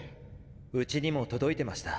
うちにも届いてました。